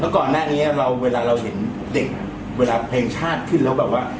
ก่อนหน้านี้เวลาเราเห็นเด็กเวลาเพลงชาติขึ้นแล้วแบบว่า